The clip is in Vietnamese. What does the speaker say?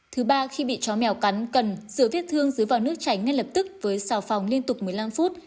thứ ba khi bị chó mèo cắn cần rửa vết thương dưới vòi nước chảy ngay lập tức với xào phòng liên tục một mươi năm phút